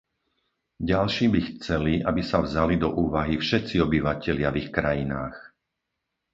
Ďalší by chceli, aby sa vzali do úvahy všetci obyvatelia v ich krajinách.